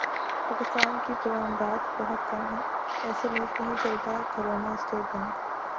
پاکستان کی برمدات بہت کم ہیں ایسے ملک نہیں چلتا گورنر اسٹیٹ بینک